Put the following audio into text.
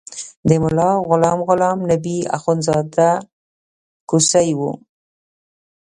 د ملا غلام غلام نبي اخندزاده کوسی و.